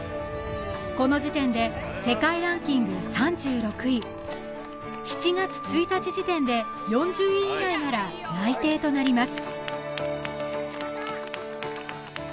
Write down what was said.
この時点で世界ランキング３６位７月１日時点で４０位以内なら内定となります